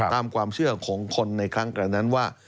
ตามความเชื่อของคนในครั้งกระนั้นว่า